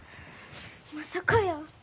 まさかやー。